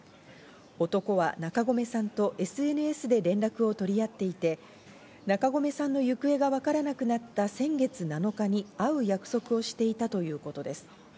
男は中込さんとＳＮＳで連絡を取り合っていて、中込さんの行方が分からなくなった先月７日に会う約束をしていたということです。